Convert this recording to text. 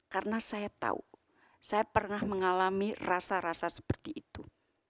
karena saya tahu saya pernah mengalami rasa rasa seperti itu